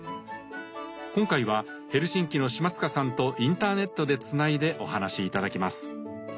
今回はヘルシンキの島塚さんとインターネットでつないでお話し頂きます。